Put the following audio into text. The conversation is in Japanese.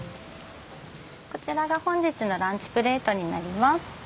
こちらが本日のランチプレートになります。